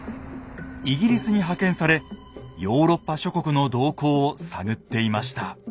イギリスに派遣されヨーロッパ諸国の動向を探っていました。